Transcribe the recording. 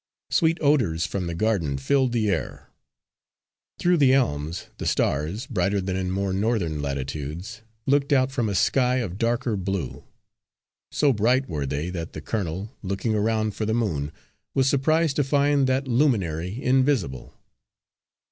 Sweet odours from the garden filled the air. Through the elms the stars, brighter than in more northern latitudes, looked out from a sky of darker blue; so bright were they that the colonel, looking around for the moon, was surprised to find that luminary invisible.